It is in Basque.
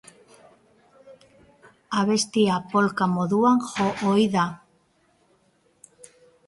Abestia polka moduan jo ohi da.